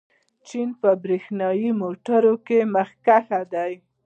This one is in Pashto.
چین په برېښنايي موټرو کې مخکښ دی.